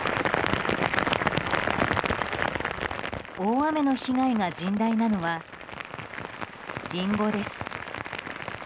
大雨の被害が甚大なのはリンゴです。